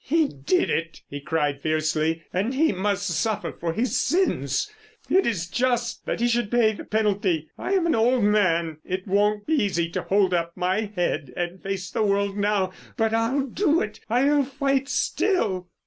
"He did it," he cried fiercely, "and he must suffer for his sin. It is just he should pay the penalty. I'm an old man; it won't be easy to hold up my head and face the world now; but I'll do it. I'll fight still!"